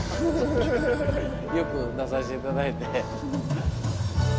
よく出させていただいて。